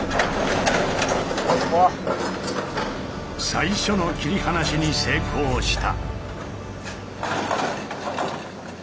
最初の切り離しに成功した。